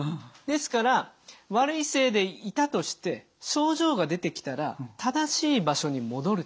ですから悪い姿勢でいたとして症状が出てきたら正しい場所に戻ると。